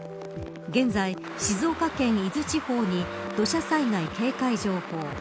現在、静岡県伊豆地方に土砂災害警戒情報